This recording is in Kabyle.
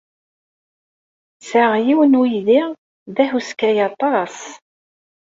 Sɛiɣ yiwen n uydi d ahuskay aṭas.